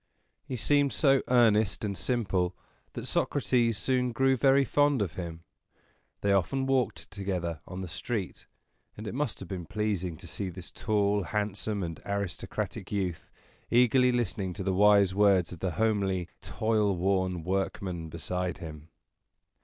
He seemed so earnest and simple that Socrates soon grew very fond of him. They often walked together on the street; and it must have been pleasing to see this tall, handsome, and aristocratic youth, eagerly listening to the wise words of the homely, toil worn workman beside him.